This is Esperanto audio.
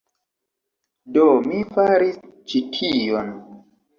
Do, mi faris ĉi tion